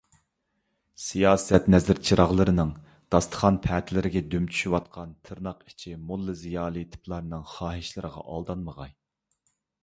سىياسەت نەزىر -چىراغلىرىنىڭ داستىخان - پەتىلىرىگە دۈم چۈشۈۋاتقان تىرناق ئىچى «موللا - زىيالىي» تىپلارنىڭ خاھىشلىرىغا ئالدانمىغاي.